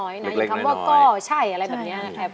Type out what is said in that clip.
อย่างคำว่าก้อใช่อะไรแบบนี้นะครับ